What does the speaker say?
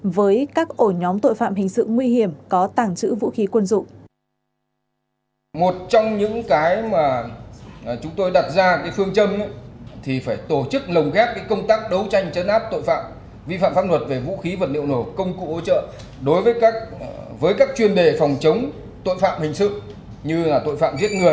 với các ổ nhóm tội phạm hình sự nguy hiểm có tàng trữ vũ khí quân dụng